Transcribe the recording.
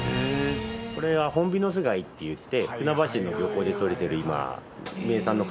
これはホンビノス貝っていって船橋の漁港でとれてる今名産の貝ですね。